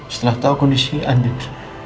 setelah tahu kondisi anin